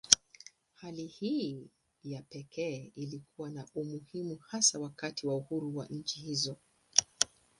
Hali hii ya pekee ilikuwa na umuhimu hasa wakati wa uhuru wa nchi hizo.